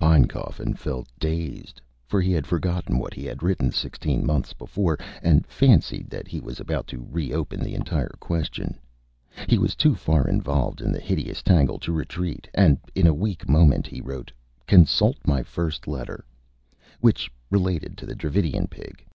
Pinecoffin felt dazed, for he had forgotten what he had written sixteen month's before, and fancied that he was about to reopen the entire question. He was too far involved in the hideous tangle to retreat, and, in a weak moment, he wrote: "Consult my first letter." Which related to the Dravidian Pig.